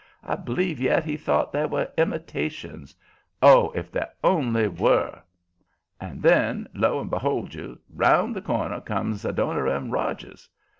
I b'lieve yet he thought they were imitations. Oh, if they only were!" And then, lo and behold you, around the corner comes Adoniram Rogers.